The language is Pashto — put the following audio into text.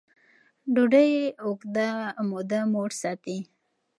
ډوډۍ اوږده موده موړ ساتي.